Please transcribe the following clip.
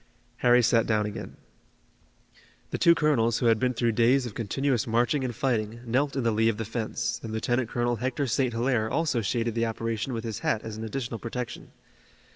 Harry sat down again. The two colonels, who had been through days of continuous marching and fighting, knelt in the lee of the fence, and Lieutenant Colonel Hector St. Hilaire also shaded the operation with his hat as an additional protection.